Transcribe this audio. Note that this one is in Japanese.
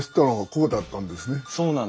そうなんですよ。